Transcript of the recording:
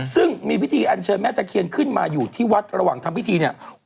ซึ่งมีพิธีอันเชิญแม่ตะเคียนขึ้นมาอยู่ที่วัดระหว่างทำพิธีเนี่ย